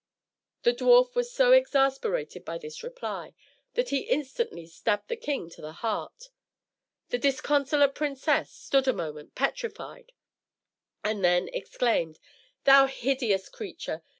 The dwarf was so exasperated by this reply, that he instantly stabbed the king to the heart. The disconsolate princess stood a moment petrified, and then exclaimed, "Thou hideous creature!